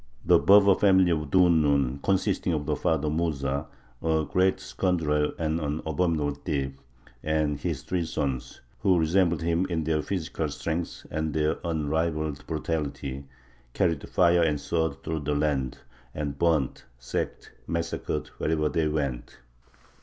The Berber family of Dhu n Nun, consisting of the father Mūsa, "a great scoundrel and an abominable thief," and his three sons, who resembled him in their physical strength and their unrivalled brutality, carried fire and sword through the land, and burnt, sacked, and massacred wherever they went.